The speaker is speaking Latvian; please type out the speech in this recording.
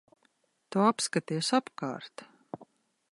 Tu apskaties apkārt.